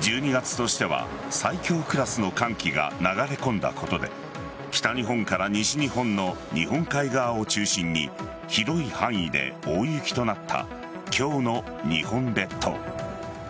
１２月としては最強クラスの寒気が流れ込んだことで北日本から西日本の日本海側を中心に広い範囲で大雪となった今日の日本列島。